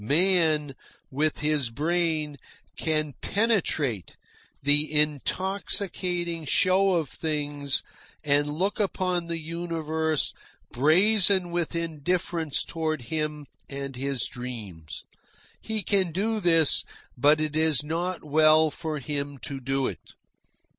Man, with his brain, can penetrate the intoxicating show of things and look upon the universe brazen with indifference toward him and his dreams. He can do this, but it is not well for him to do it.